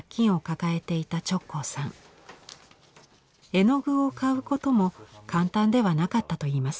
絵の具を買うことも簡単ではなかったといいます。